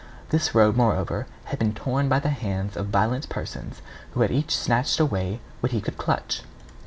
This robe, moreover, had been torn by the hands of violent persons, who had each snatched away what he could clutch.